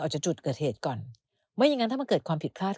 จากจุดเกิดเหตุก่อนไม่อย่างนั้นถ้ามันเกิดความผิดพลาด